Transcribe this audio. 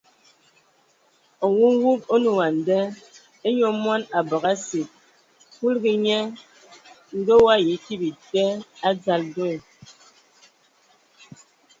Nwumub o nə wa a nda : e nyɔ mɔn a bəgə asig! Kuligi nye ngə o ayi kig bita a dzal do.